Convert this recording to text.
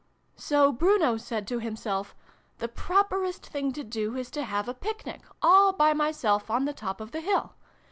" So Bruno said to himself ' The properest thing to do is to have a Picnic, all by myself, on the top of the hill.